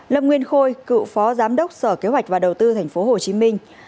lâm nguyên khôi cựu phó giám đốc sở kế hoạch và đầu tư thành phố hồ chí minh